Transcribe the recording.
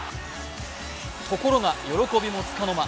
ところが、喜びもつかの間